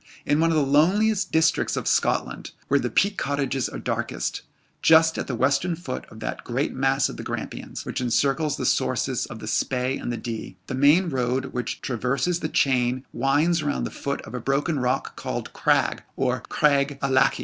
In one of the loneliest districts of Scotland, where the peat cottages are darkest, just at the western foot of that great mass of the Grampians which encircles the sources of the Spey and the Dee, the main road which traverses the chain winds round the foot of a broken rock called Crag, or Craig Ellachie.